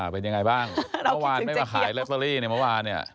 เป็นยังไงบ้างเมื่อวานไม่มาขายลอตเตอรี่ในเมื่อวานเนี่ย